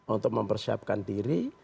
untuk mempersiapkan diri